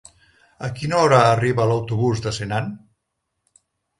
A quina hora arriba l'autobús de Senan?